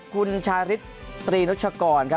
คุณชาริตตรีลูกชอกรครับ